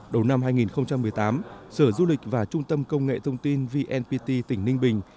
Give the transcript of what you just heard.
đầu năm hai nghìn một mươi tám sở du lịch và trung tâm công nghệ thông tin vnpt tỉnh ninh bình